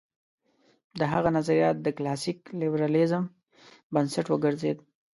د هغه نظریات د کلاسیک لېبرالېزم بنسټ وګرځېد.